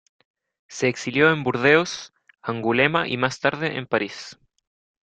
Se exilió en Burdeos, Angulema y más tarde en París.